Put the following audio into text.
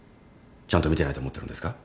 ちゃんと見てないと思ってるんですか？